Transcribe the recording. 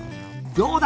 どうだ？